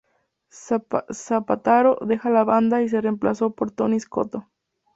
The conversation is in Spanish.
Spataro deja la banda y es reemplazado por Tony Scotto.